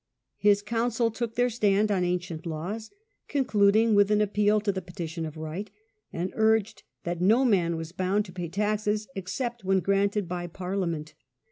His counsel took their stand on ancient laws, concluding with an appeal to the Petition of Right, and urged that no man was bound to pay taxes except when granted by Parliament.